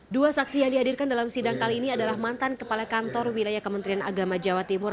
dua saksi yang dihadirkan dalam sidang kali ini adalah mantan kepala kantor wilayah kementerian agama jawa timur